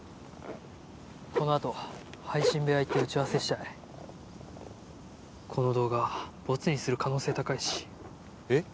このあと配信部屋行って打ち合わせしたいこの動画ボツにする可能性高いしえっ？